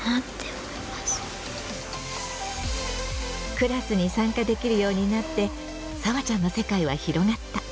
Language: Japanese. クラスに参加できるようになってさわちゃんの世界は広がった。